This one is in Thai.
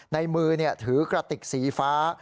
ในมือเนี่ยถือกระติกสีฟ้า